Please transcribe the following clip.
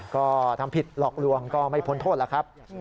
ก็ทำผิดหลอกลวงก็ไม่พ้นโทษแล้วครับ